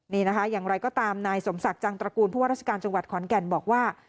นี่นะคะอย่างไรก็ตามนายสมศักดิ์จังตระกูลผู้ว่าราชการจังหวัดขอนแก่นบอกว่า